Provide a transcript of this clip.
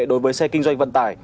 đối với xe kinh doanh vận tải